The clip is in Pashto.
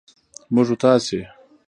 موږ و تاسې